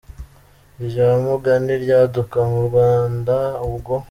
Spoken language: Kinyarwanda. Irya Mugani ryaduka mu Rwanda ubwo.